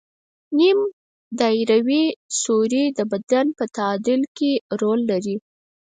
نیم دایروي سوري د بدن په تعادل کې رول لري.